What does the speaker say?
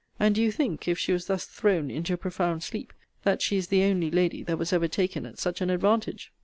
And do you think, if she was thus thrown into a profound sleep, that she is the only lady that was ever taken at such an advantage?